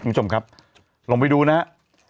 คุณผู้ชมครับลองไปดูนะฮะ